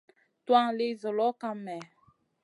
Tuwan li zuloʼ kam mèh ?